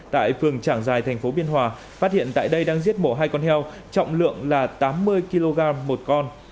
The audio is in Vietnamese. tại phường trảng giài thành phố biên hòa phát hiện tại đây đang giết mổ hai con heo trọng lượng là tám mươi kg một con